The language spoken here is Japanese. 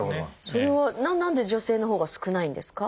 それは何で女性のほうが少ないんですか？